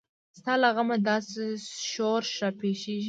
ستا له غمه داسې شورش راپېښیږي.